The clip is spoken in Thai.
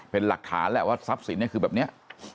เป็นหลักฐานแหล่ะว่าทรัพย์ศีลนี้คือแบบเนี้ย